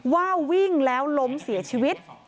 ว่าวิ่งแล้วล้มเสียชีวิต